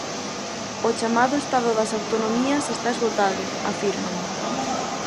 "O chamado Estado das Autonomías está esgotado", afirman.